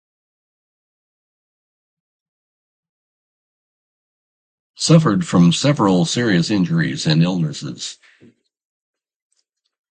He suffered from several serious injuries and illnesses.